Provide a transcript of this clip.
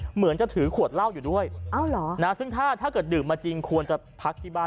เหมือนจะถือขวดเหล้าอยู่ด้วยซึ่งถ้าเกิดดื่มมาจริงควรจะพักที่บ้าน